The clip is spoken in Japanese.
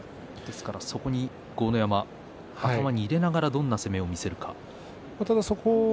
そこを豪ノ山が、頭に入れながらどんな攻めを見せるか。